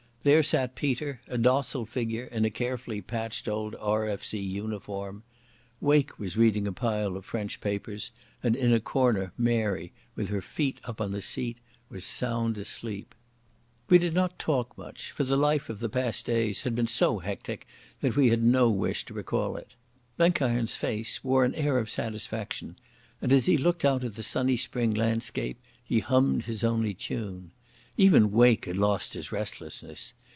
There sat Peter, a docile figure in a carefully patched old R.F.C. uniform. Wake was reading a pile of French papers, and in a corner Mary, with her feet up on the seat, was sound asleep. We did not talk much, for the life of the past days had been so hectic that we had no wish to recall it. Blenkiron's face wore an air of satisfaction, and as he looked out at the sunny spring landscape he hummed his only tune. Even Wake had lost his restlessness.